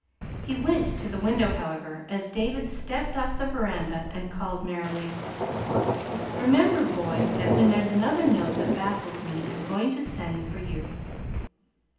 He went to the window, however, as David stepped off the veranda, and called merrily: "Remember, boy, that when there's another note that baffles me, I'm going to send for you."